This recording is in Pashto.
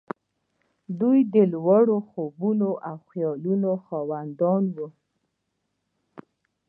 دوی د لوړو خوبونو او خيالونو خاوندان وو.